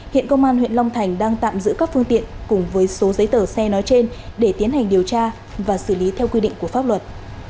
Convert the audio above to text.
hiện công an huyện long thành đang tạm giữ các phương tiện cùng với số giấy tờ xe nói trên để tiến hành điều tra và xử lý theo quy định của pháp luật